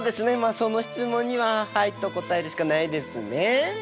その質問には「はい」と答えるしかないですね。